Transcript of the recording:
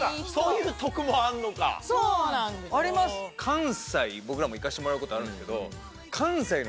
関西僕らも行かせてもらうことあるんですけど。